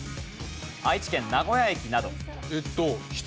愛知県名古屋駅など。